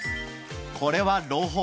これは朗報！